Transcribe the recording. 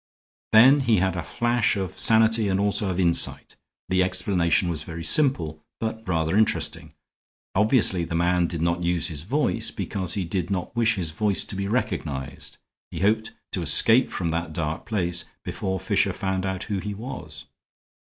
Then he had a flash of sanity and also of insight. The explanation was very simple, but rather interesting. Obviously the man did not use his voice because he did not wish his voice to be recognized. He hoped to escape from that dark place before Fisher found out who he was.